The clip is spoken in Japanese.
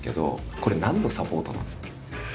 これ何のサポートなんですか？」。